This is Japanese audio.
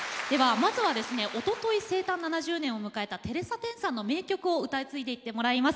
まずは、おととい生誕７０年を迎えたテレサ・テンさんの名曲を歌い継ぎます。